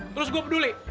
terus gue peduli